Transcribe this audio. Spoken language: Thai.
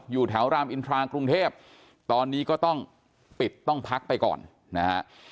อยู่แถวรามอินทรากรุงเทพตอนนี้ก็ต้องปิดต้องพักไปก่อนนะฮะ